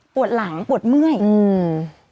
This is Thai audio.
ปวดหลังปวดเมื่อยอืม